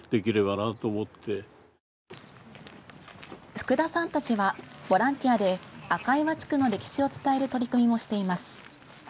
福田さんたちはボランティアで赤岩地区の歴史を伝える取り組みもしています。